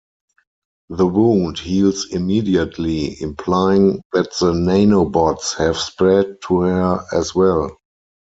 The wound heals immediately, implying that the nanobots have spread to her as well.